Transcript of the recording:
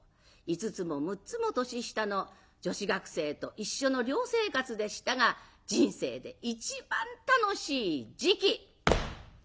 ５つも６つも年下の女子学生と一緒の寮生活でしたが人生で一番楽しい時期。